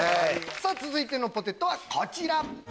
続いてのポテトはこちら。